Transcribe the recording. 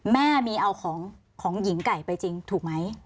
แม่มีเอาของของหญิงไก่ไปจริงถูกไหม